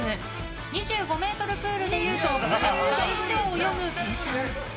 ２５ｍプールでいうと１００回以上泳ぐ計算。